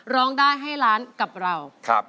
ร้องได้ให้ล้านกับเรา